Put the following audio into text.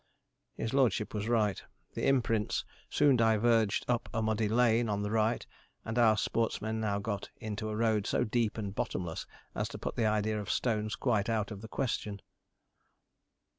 His lordship was right. The imprints soon diverged up a muddy lane on the right, and our sportsmen now got into a road so deep and bottomless as to put the idea of stones quite out of the question.